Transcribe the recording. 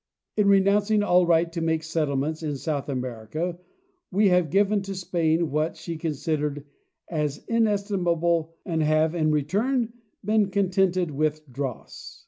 In renouncing all right to make settlements in South America we have given to Spain what she considered as inestimable and have in return been contented with dross."